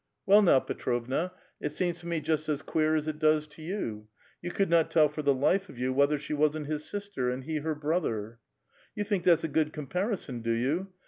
'' Well, now, Petrovna, it seems to me just as queer as it does to 3'ou. You could not tell for the life of you whether she wan't his sister and he her brother !"" You think that's a good comparison, do you?